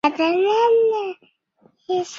汉口俄租界近代中国两个在华俄租界之一。